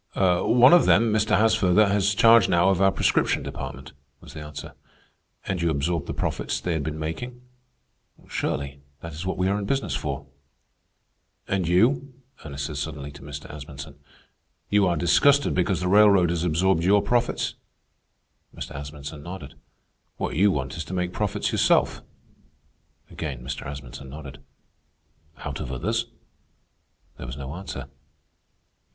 "One of them, Mr. Haasfurther, has charge now of our prescription department," was the answer. "And you absorbed the profits they had been making?" "Surely. That is what we are in business for." "And you?" Ernest said suddenly to Mr. Asmunsen. "You are disgusted because the railroad has absorbed your profits?" Mr. Asmunsen nodded. "What you want is to make profits yourself?" Again Mr. Asmunsen nodded. "Out of others?" There was no answer.